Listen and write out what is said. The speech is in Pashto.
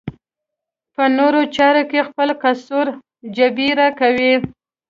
په نورو چارو کې خپل قصور جبېره کوي.